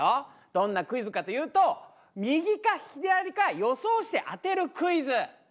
どんなクイズかというと右か左か予想して当てるクイズ。